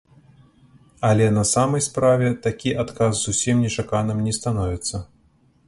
Але на самай справе такі адказ зусім нечаканым не становіцца.